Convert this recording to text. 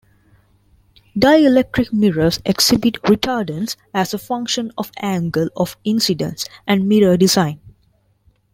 Dielectric mirrors exhibit retardance as a function of angle of incidence and mirror design.